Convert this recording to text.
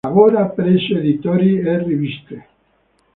Lavora preso editori e riviste.